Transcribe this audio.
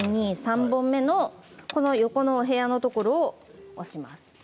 ３本目のところの部屋のところを押します。